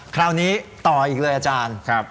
คราวนี้ต่ออีกเลยอาจารย์